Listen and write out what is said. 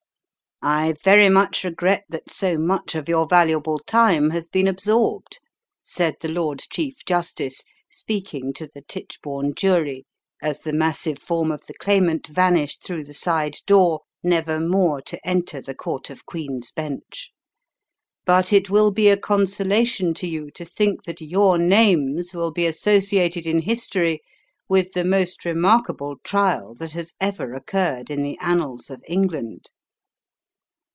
"I very much regret that so much of your valuable time has been absorbed," said the Lord Chief Justice, speaking to the Tichborne Jury, as the massive form of the Claimant vanished through the side door, never more to enter the Court of Queen's Bench; "but it will be a consolation to you to think that your names will be associated in history with the most remarkable trial that has ever occurred in the annals of England."